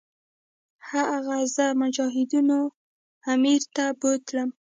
هغه زه مجاهدینو امیر ته بوتلم.